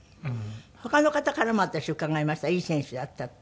他の方からも私伺いましたいい選手だったって。